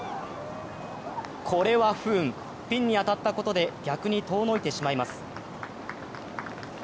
これは不安、ピンに当たったことで逆に遠のいてしまいます。